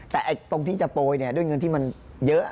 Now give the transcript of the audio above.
แต่ตรงที่จะปล่อยเนี่ยด้วยเงินที่มันเยอะ